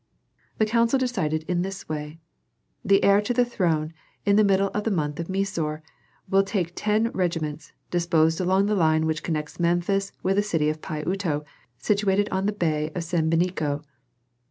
The council decided in this way: "The heir to the throne, in the middle of the month Mesore, will take ten regiments, disposed along the line which connects Memphis with the city of Pi Uto, situated on the Bay of Sebenico.